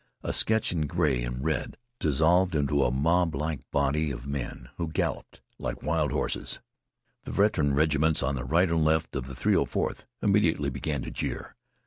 A sketch in gray and red dissolved into a moblike body of men who galloped like wild horses. The veteran regiments on the right and left of the 304th immediately began to jeer.